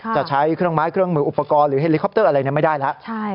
จะใช้เครื่องไม้เครื่องมืออุปกรณ์หรือเฮลิคอปเตอร์อะไรไม่ได้แล้ว